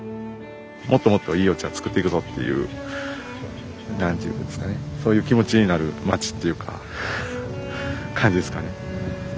もっともっといいお茶を作っていくぞっていう何て言うんですかねそういう気持ちになる町っていうか感じですかね。